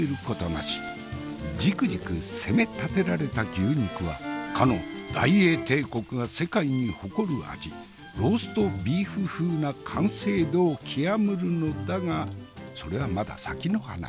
ジクジク責めたてられた牛肉はかの大英帝国が世界に誇る味ローストビーフ風な完成度を極むるのだがそれはまだ先の話。